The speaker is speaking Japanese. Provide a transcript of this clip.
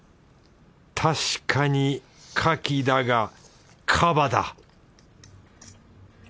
確かに牡蠣だがカバだ